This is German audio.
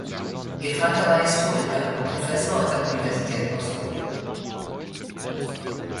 Ihr Vater war Historiker und Professor an der Universität Oslo.